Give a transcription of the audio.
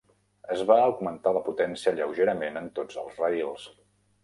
Es va augmentar la potència lleugerament en tots els raïls.